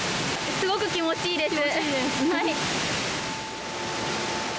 すごく気持ち良いです。